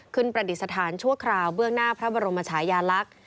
ประดิษฐานชั่วคราวเบื้องหน้าพระบรมชายาลักษณ์